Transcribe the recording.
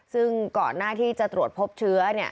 ซึ่งก่อนหน้าที่จะตรวจพบเชื้อ